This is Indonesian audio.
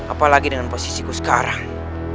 apalagi dengan posisiku sekarang